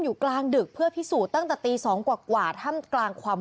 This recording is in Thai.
อยู่กลางดึกเพื่อพิสูตั้งแต่ตีสองกว่ากว่าท่านกลางความ